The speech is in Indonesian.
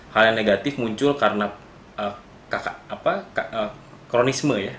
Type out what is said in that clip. hal yang negatif muncul karena kronisme ya